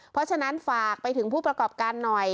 เพราะฉะนั้นฝากไปถึงผู้ประกอบการหน่อย